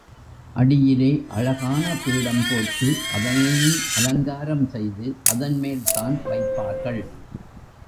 அடியிலே அழகான பீடம் போட்டு, அதனையும் அலங்காரம் செய்து அதன்மேல்தான் வைப்பார்கள்.